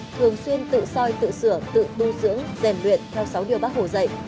thường xuyên tự soi tự sửa tự tu dưỡng rèn luyện theo sáu điều bác hồ dạy